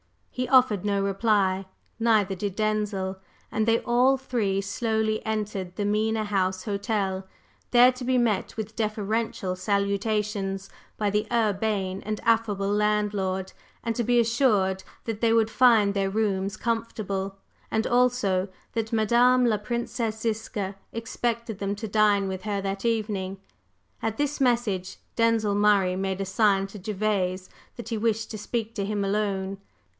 He offered no reply, neither did Denzil, and they all three slowly entered the Mena House Hotel, there to be met with deferential salutations by the urbane and affable landlord, and to be assured that they would find their rooms comfortable, and also that "Madame la Princesse Ziska" expected them to dine with her that evening. At this message, Denzil Murray made a sign to Gervase that he wished to speak to him alone.